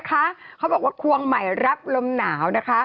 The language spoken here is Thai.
ข้าบอกว่าควงใหม่รับลมหนาว